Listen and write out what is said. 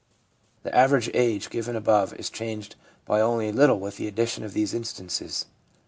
The average age given above is changed by only a little with the addition of these instances.